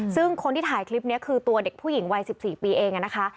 ซึ่งคนที่ถ่ายคลิปนี้คือตัวเด็กผู้หญิงวัย๑๔ปีเองนะคะ